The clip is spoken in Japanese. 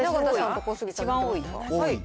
一番多いか。